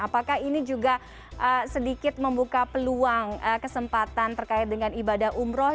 apakah ini juga sedikit membuka peluang kesempatan terkait dengan ibadah umroh